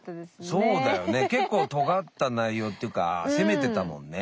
そうだよね結構とがった内容っていうか攻めてたもんね。